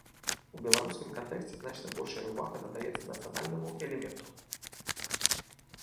У беларускім кантэксце значна большая ўвага надаецца нацыянальнаму элементу.